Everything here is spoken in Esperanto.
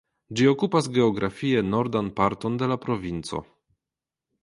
Ĝi okupas geografie nordan parton de la provinco.